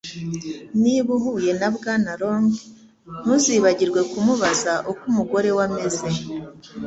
Niba uhuye na Bwana Long, ntuzibagirwe kumubaza uko umugore we ameze.